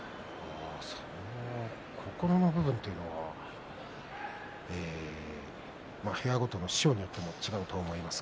心の部分というのは部屋ごとの師匠によっても違うと思います。